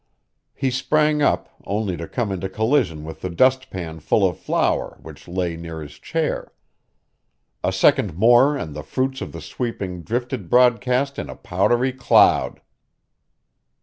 He sprang up only to come into collision with the dustpan full of flour which lay near his chair. A second more and the fruits of the sweeping drifted broadcast in a powdery cloud.